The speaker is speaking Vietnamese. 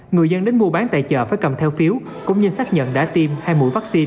người dân đến mua bán tại chợ phải cầm theo phiếu cũng như xác nhận đã tiêm hai mũi vắc xin